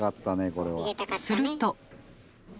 すると。